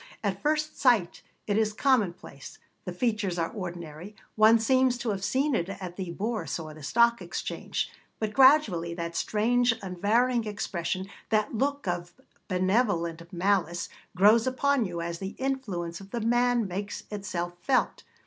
At first sight it is commonplace, the features are ordinary, one seems to have seen it at the Bourse or the Stock Exchange. But gradually that strange, unvarying expression, that look of benevolent malice, grows upon you as the influence of the man makes itself felt.